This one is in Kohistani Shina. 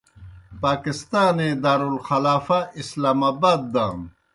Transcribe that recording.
پاکستانے دارالخلافہ اسلام آباد دانوْ۔